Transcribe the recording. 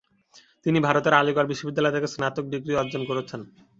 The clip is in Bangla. তিনি ভারতের আলীগড় বিশ্ববিদ্যালয় থেকে স্নাতক ডিগ্রি অর্জন করেছেন।